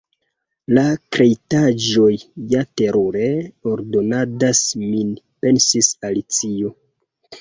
"La kreitaĵoj ja terure ordonadas min," pensis Alicio.